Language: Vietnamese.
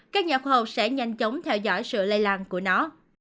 các nhà khoa học sẽ nhanh chóng theo dõi sự lây lan của nó